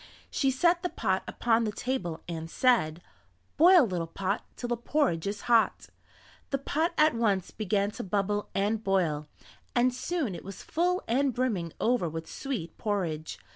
She set the pot upon the table and said: "Boil little pot Till the porridge is hot." The pot at once began to bubble and boil, and soon it was full and brimming over with sweet porridge.